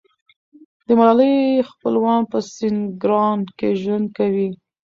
د ملالۍ خپلوان په سینګران کې ژوند کوي.